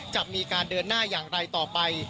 จะมีการเดินหน้าอย่างไรต่อไป